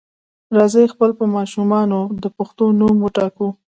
راځئ خپل په ماشومانو د پښتو نوم وټاکو.